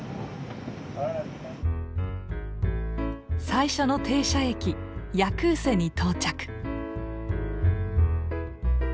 最初の停車駅ヤクーセに到着。